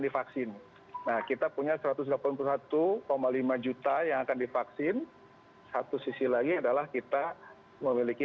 divaksin nah kita punya satu ratus delapan puluh satu lima juta yang akan divaksin satu sisi lagi adalah kita memiliki